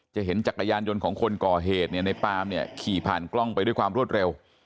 เห็นจักรยานยนต์ของคนก่อเหตุเนี่ยในปามเนี่ยขี่ผ่านกล้องไปด้วยความรวดเร็ว